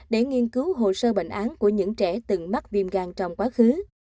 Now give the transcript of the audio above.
để nghiên cứu hồ sơ bệnh án của những trẻ từng mắc viêm gan trong quá khứ